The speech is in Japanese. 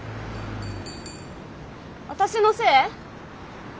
私のせい？